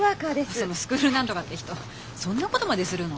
そのスクール何とかって人そんなことまでするの？